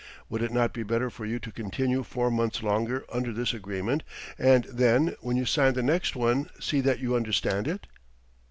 Would it not be better for you to continue four months longer under this agreement, and then, when you sign the next one, see that you understand it?"